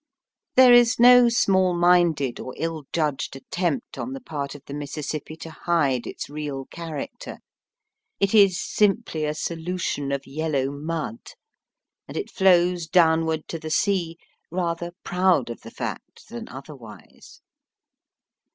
There is no small minded or ill judged attempt on the part of the Mississippi to hide its real character. It is simply a solution of yellow mud, and it flows downward to the sea, rather proud of the fact than otherwise.